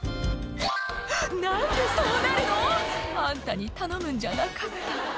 「何でそうなるの⁉あんたに頼むんじゃなかった」